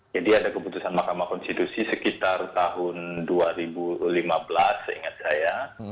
jadi ada keputusan mahkamah konstitusi sekitar tahun dua ribu lima belas seingat saya